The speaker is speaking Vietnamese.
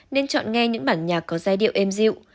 hay những bản nhạc có giai điệu êm dịu